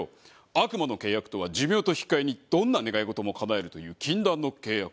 悪魔の契約とは寿命と引き換えにどんな願い事もかなえるという禁断の契約だ。